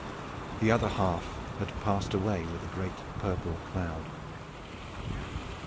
The other half had passed away with the great purple cloud.